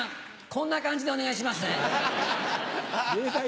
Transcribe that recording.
こんな感じでお願いします。